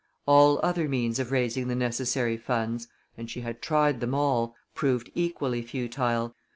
All other means of raising the necessary funds and she had tried them all proved equally futile.